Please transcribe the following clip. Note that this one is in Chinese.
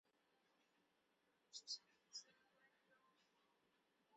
可以参观的有过去的金矿以及现代化的技术博物馆和有轨电车博物馆。